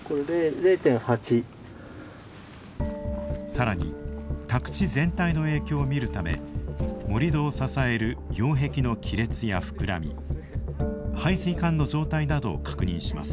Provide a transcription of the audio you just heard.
さらに宅地全体の影響を見るため盛土を支える擁壁の亀裂や膨らみ排水管の状態などを確認します。